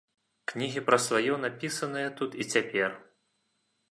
Кнігі пра сваё, напісанае тут і цяпер.